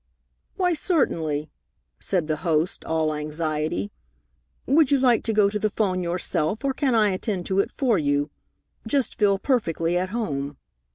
"Why, certainly," said the host, all anxiety. "Would you like to go to the 'phone yourself, or can I attend to it for you? Just feel perfectly at home."